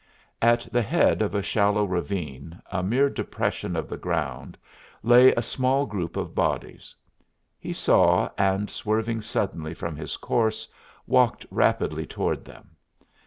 At the head of a shallow ravine, a mere depression of the ground, lay a small group of bodies. He saw, and swerving suddenly from his course walked rapidly toward them.